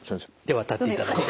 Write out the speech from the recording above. では立っていただいて。